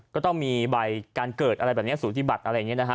ก็ต้องมีใบการเกิดอะไรแบบนี้สูติบัติอะไรอย่างนี้นะฮะ